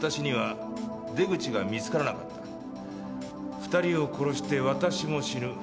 「２人を殺して私も死ぬ」